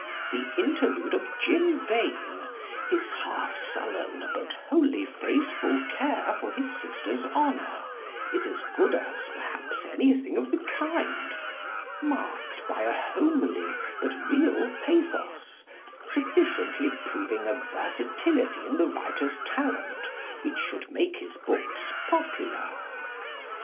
The interlude of Jim Vane, his half sullen but wholly faithful care for his sister's honour, is as good as perhaps anything of the kind, marked by a homely but real pathos, sufficiently proving a versatility in the writer's talent, which should make his books popular.